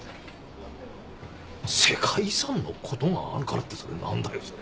世界遺産のことがあるからってそれ何だよそれ。